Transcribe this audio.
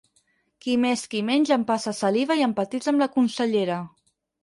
Qui més qui menys empassa saliva i empatitza amb la consellera.